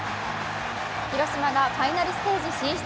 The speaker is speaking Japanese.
広島がファイナルステージ進出。